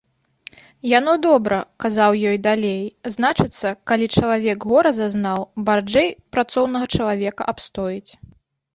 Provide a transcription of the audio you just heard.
Яно добра, — казаў ёй далей, — значыцца, калі чалавек гора зазнаў, баржджэй працоўнага чалавека абстоіць.